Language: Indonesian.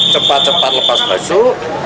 cepat cepat lepas basuh